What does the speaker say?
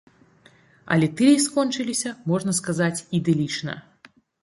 Але тыя скончыліся, можна сказаць, ідылічна.